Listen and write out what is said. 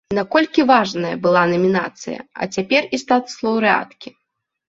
Наколькі важная была намінацыя, а цяпер і статус лаўрэаткі?